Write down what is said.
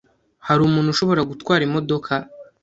Hari umuntu ushobora gutwara imodoka?